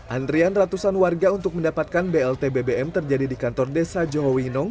antrian ratusan warga untuk mendapatkan blt bbm terjadi di kantor desa johowinong